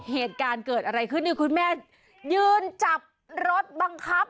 เหตุการณ์เกิดอะไรขึ้นนี่คุณแม่ยืนจับรถบังคับ